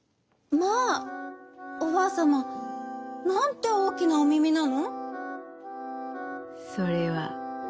「まあおばあさまなんておおきなおめめなの？」。